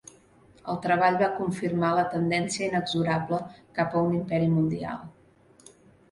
El treball va confirmar la tendència inexorable cap a un imperi mundial.